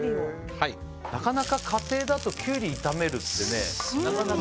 なかなか家庭だとキュウリ炒めるってね。